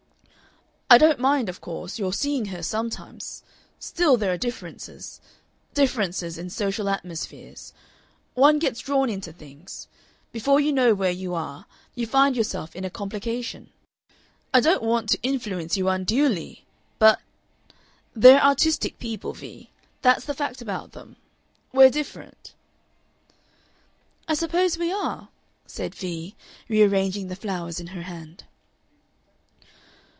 "I don't mind, of course, your seeing her sometimes, still there are differences differences in social atmospheres. One gets drawn into things. Before you know where you are you find yourself in a complication. I don't want to influence you unduly But They're artistic people, Vee. That's the fact about them. We're different." "I suppose we are," said Vee, rearranging the flowers in her hand.